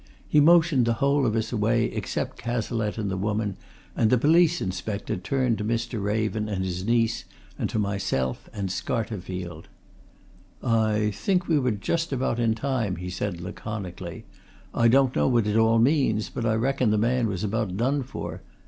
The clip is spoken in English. He motioned the whole of us away except Cazalette and the woman, and the police inspector turned to Mr. Raven and his niece, and to myself and Scarterfield. "I think we were just about in time," he said, laconically. "I don't know what it all means, but I reckon the man was about done for.